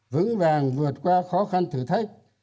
vững vàng vượt qua khó khăn thử thách